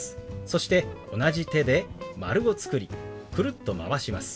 そして同じ手で丸を作りくるっとまわします。